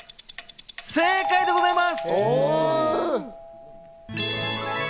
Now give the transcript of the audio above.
正解でございます。